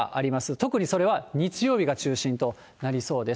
特にそれは日曜日が中心となりそうです。